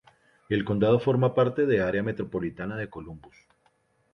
El condado forma parte de área metropolitana de Columbus.